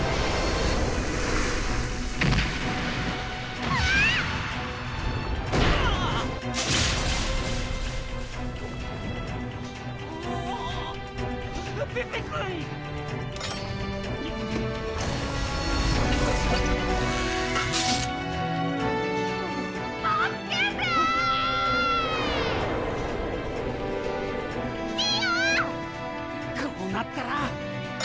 こうなったら！